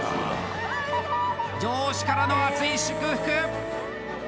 上司からの熱い祝福！